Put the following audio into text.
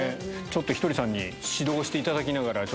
ひとりさんに指導をしていただきながら。